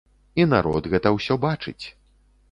І народ гэта ўсё бачыць.